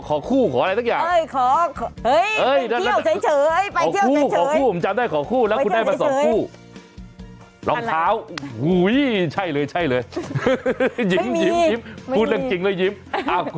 โอ้ยหมดไปเยอะมาก